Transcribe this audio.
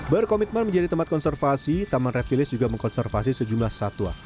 berkomitmen menjadi tempat konservasi taman revilis juga mengkonservasi sejumlah satwa